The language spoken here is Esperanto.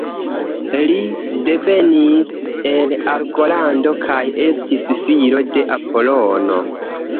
Li devenis el Argolando kaj estis filo de Apolono.